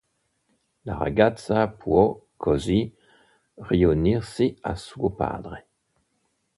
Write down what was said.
La ragazza può, così, riunirsi a suo padre.